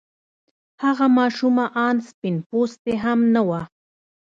هغه ماشومه آن سپين پوستې هم نه وه.